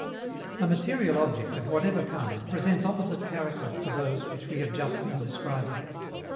A material object, of whatever kind, presents opposite characters to those which we have just been describing.